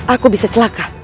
aku bisa celaka